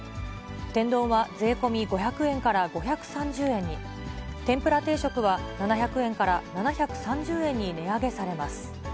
天丼は税込み５００円から５３０円に、天ぷら定食は７００円から７３０円に値上げされます。